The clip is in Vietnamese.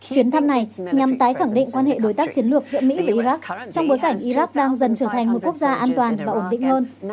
chuyến thăm này nhằm tái khẳng định quan hệ đối tác chiến lược giữa mỹ và iraq trong bối cảnh iraq đang dần trở thành một quốc gia an toàn và ổn định hơn